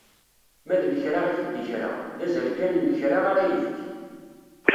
Ma d lekra i t-id-ikra, d azal kan n lekra ara yefk.